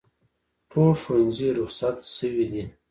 ټول ښوونځي روخصت شوي دي